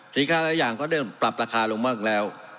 สินค้าหลายอย่างก็เริ่มปรับราคาลงมากแล้ว